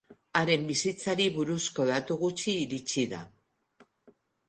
Haren bizitzari buruzko datu gutxi iritsi da.